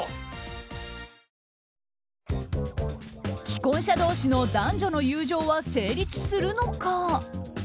既婚者同士の男女の友情は成立するのか。